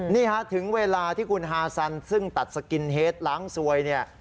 นี่ฮะถึงเวลาที่คุณฮาซันซึ่งตัดสกินเฮดล้างซวยเนี่ย